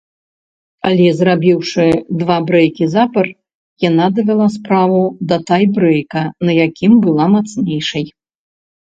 Але, зрабіўшы два брэйкі запар, яна давяла справу да тай-брэйка, на якім была мацнейшай.